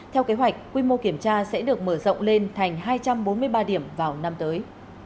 theo kế hoạch quy mô kiểm tra sẽ được mở rộng lên thành hai trăm bốn mươi ba điểm vào năm tới